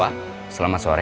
halo pak selamat sore